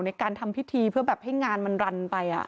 ในการทำพิธีเพื่อแบบให้งานมันรันไป